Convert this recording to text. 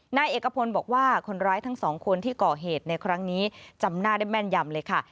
นายเอกพลบอกว่าคนร้ายทั้งสองคนที่ก่อเหตุในครั้งนี้จำหน้าได้แม่นยำเลยค่ะ